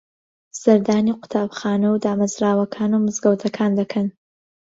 سەردانی قوتابخانە و دامەزراوەکان و مزگەوتەکان دەکەن